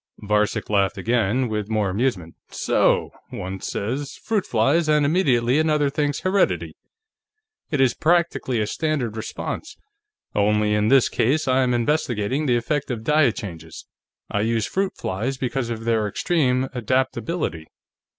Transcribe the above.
Varcek laughed again, with more amusement. "So! One says: 'Fruit flies,' and immediately another thinks: 'Heredity.' It is practically a standard response. Only, in this case, I am investigating the effect of diet changes. I use fruit flies because of their extreme adaptability.